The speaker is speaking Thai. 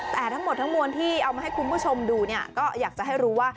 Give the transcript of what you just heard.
แต่ทั้งหมดทั้งมวลที่เอามาให้คุณผู้ชมดูเนี่ยก็อยากจะให้รู้ว่า